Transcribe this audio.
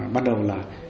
bắt đầu là